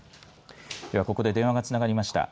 では、ここで電話がつながりました。